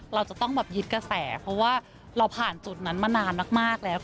เราจะต้องแบบยึดกระแสเพราะว่าเราผ่านจุดนั้นมานานมากแล้ว